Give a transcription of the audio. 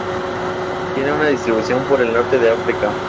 Tiene una distribución por el norte de África.